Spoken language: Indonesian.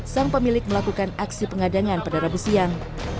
sang pemilik melakukan aksi pengadangan pada rabu siang